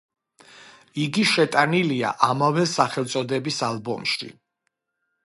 იგი შეტანილია ამავე სახელწოდების ალბომში.